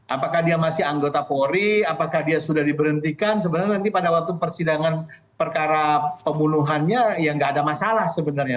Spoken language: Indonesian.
apakah dia masih anggota polri apakah dia sudah diberhentikan sebenarnya nanti pada waktu persidangan perkara pembunuhannya ya nggak ada masalah sebenarnya